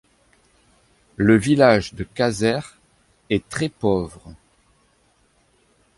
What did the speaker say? Le village de Kaser est très pauvre.